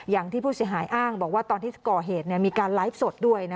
อย่างที่ผู้เสียหายอ้างบอกว่าตอนที่ก่อเหตุมีการไลฟ์สดด้วย